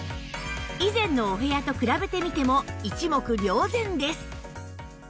以前のお部屋と比べてみても一目瞭然です